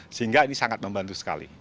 sehingga ini sangat membantu sekali